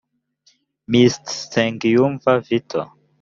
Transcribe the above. mr nsengiyumva vital